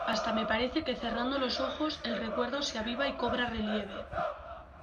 hasta me parece que cerrando los ojos, el recuerdo se aviva y cobra relieve.